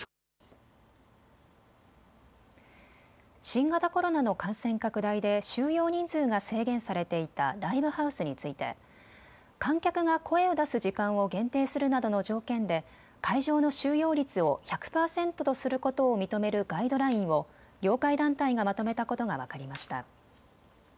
新型コロナの感染拡大で収容人数が制限されていたライブハウスについて観客が声を出す時間を限定するなどの条件で会場の収容率を１００％とすることを認めるガイドラインを業界団体がまとめたことが分かりました。